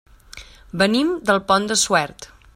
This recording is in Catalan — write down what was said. Venim del Pont de Suert.